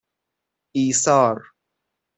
ایثار